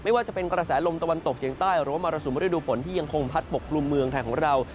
ว่าจะเป็นกระแสลมตะวันตกเฉียงใต้หรือว่ามรสุมฤดูฝนที่ยังคงพัดปกกลุ่มเมืองไทยของเรา